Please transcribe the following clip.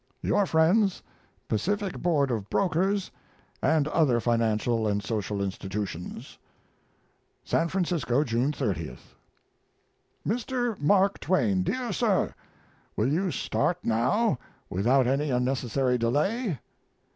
Your friends, Pacific Board of Brokers [and other financial and social institutions] SAN FRANCISCO, June 30th. MR. MARK TWAIN DEAR SIR, Will you start now, without any unnecessary delay?